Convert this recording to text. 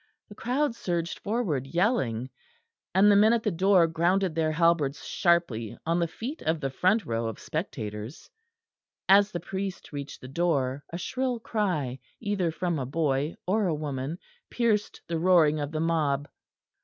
The crowd surged forward, yelling; and the men at the door grounded their halberds sharply on the feet of the front row of spectators. As the priest reached the door, a shrill cry either from a boy or a woman pierced the roaring of the mob.